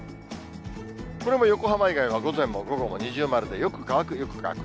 これも横浜以外は午前も午後も二重丸でよく乾く、よく乾く。